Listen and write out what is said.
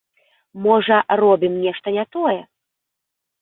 Можа, робім нешта не тое.